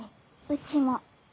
うちも。